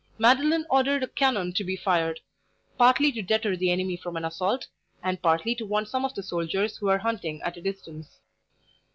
Madeline ordered a cannon to be fired, partly to deter the enemy from an assault, and partly to warn some of the soldiers who were hunting at a distance.